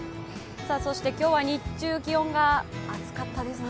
そして今日は日中、気温が暑かったですね。